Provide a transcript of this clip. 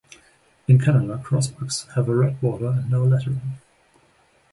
In Canada, crossbucks have a red border and no lettering.